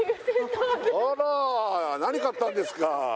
あら何買ったんですか？